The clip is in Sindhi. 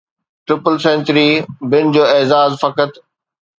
ٽرپل سينچري بن جو اعزاز فقط